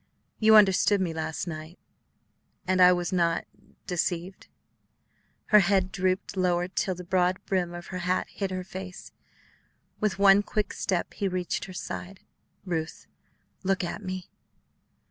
"You understood me last night and I was not deceived?" Her head drooped lower till the broad brim of her hat hid her face. With one quick step he reached her side. "Ruth, look at me."